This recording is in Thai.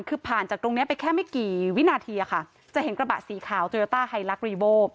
คือผ่านจากตรงนี้ไปแค่ไม่กี่วินาทีอะค่ะจะเห็นกระบะสีขาวโยต้าไฮลักษรีโบ